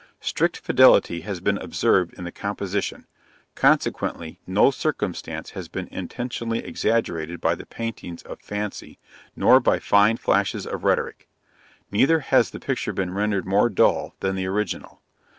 Strict fidelity has been observed in the composition: consequently, no circumstance has been intentionally exaggerated by the paintings of fancy, nor by fine flashes of rhetoric: neither has the picture been rendered more dull than the original.